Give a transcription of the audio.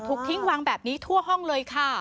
ถูกทิ้งวางแบบนี้ทั่วห้องเลยค่ะ